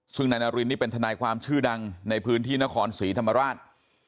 ซึ่งนายนารินนี่เป็นทนายความชื่อดังในพื้นที่นครศรีธรรมราช